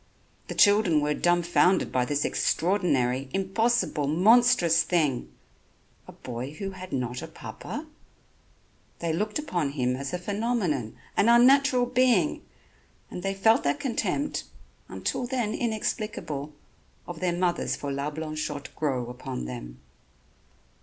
The children were dumbfounded by this extraordinary, impossible monstrous thing a boy who had not a papa; they looked upon him as a phenomenon, an unnatural being, and they felt that contempt, until then inexplicable, of their mothers for La Blanchotte grow upon them.